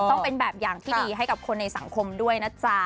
ต้องเป็นแบบอย่างที่ดีให้กับคนในสังคมด้วยนะจ๊ะ